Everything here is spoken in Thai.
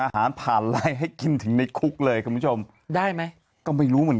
ตัวลงเชื่อ